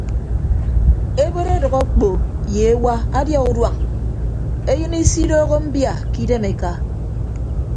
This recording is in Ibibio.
Ebot ọdʌk okpo ye ewa adia uduañ eyịn isidooho mbia ke idem eka.